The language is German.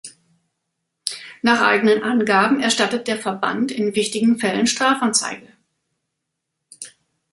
Nach eigenen Angaben erstattet der Verband in wichtigen Fällen Strafanzeige.